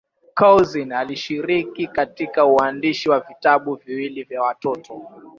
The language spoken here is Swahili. Couzyn alishiriki katika uandishi wa vitabu viwili vya watoto.